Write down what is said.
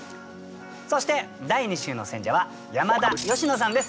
そして第２週の選者は山田佳乃さんです。